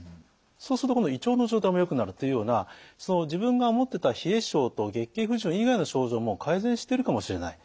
そうすると今度胃腸の状態もよくなるというようなその自分が思ってた冷え性と月経不順以外の症状も改善してるかもしれない。